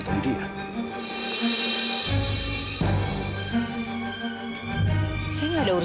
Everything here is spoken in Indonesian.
benar juga apa yang kita katakan naf negro